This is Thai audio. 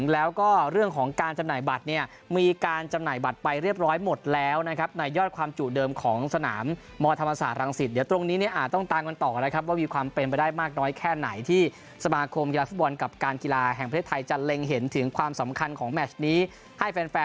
แล้วก็เรื่องของการจำหน่ายบัตรเนี่ยมีการจำหน่ายบัตรไปเรียบร้อยหมดแล้วนะครับในยอดความจุเดิมของสนามมธรรมศาสตรังสิตเดี๋ยวตรงนี้เนี่ยอาจต้องตามกันต่อนะครับว่ามีความเป็นไปได้มากน้อยแค่ไหนที่สมาคมกีฬาฟุตบอลกับการกีฬาแห่งประเทศไทยจะเล็งเห็นถึงความสำคัญของแมชนี้ให้แฟน